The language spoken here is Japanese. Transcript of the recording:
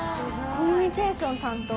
コミュニケーション担当？